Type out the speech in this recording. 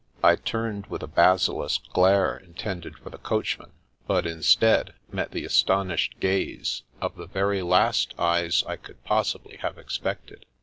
I turned with a basilisk glare intended for the coachman, but instead met the astonished gaze of the very last eyes I could possibly have expected.